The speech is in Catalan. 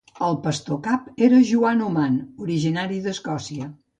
El pastor cap era Joan Oman, originari d'Escòcia.